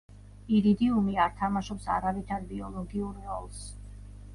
ირიდიუმი არ თამაშობს არავითარ ბიოლოგიურ როლს.